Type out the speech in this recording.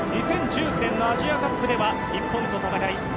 ２０１９年のアジアカップでは日本と戦い